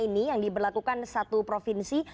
ini yang diberlakukan satu provinsi